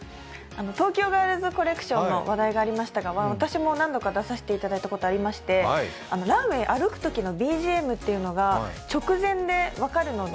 東京ガールズコレクションの話題がありましたが、私も何度か出させていただいたことがありましてランウェイ歩くときのＢＧＭというのが直前で分かるので。